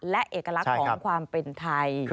และเอกลักษณ์ของความเป็นไทย